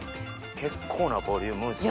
結構なボリュームですよ。